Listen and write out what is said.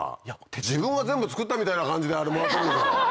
自分が全部作ったみたいな感じであれもらったんでしょ？